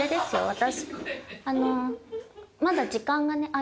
私。